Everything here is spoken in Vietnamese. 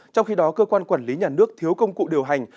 trong khi đó cơ quan quản lý nhà nước thiếu công cụ điều hành